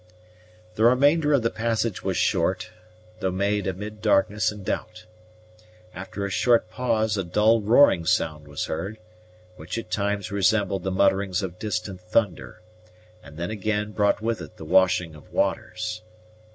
The remainder of the passage was short, though made amid darkness and doubt. After a short pause, a dull roaring sound was heard, which at times resembled the mutterings of distant thunder, and then again brought with it the washing of waters.